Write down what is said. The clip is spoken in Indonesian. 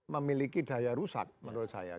memiliki daya rusak menurut saya